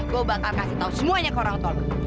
gue bakal kasih tau semuanya ke orang tua lo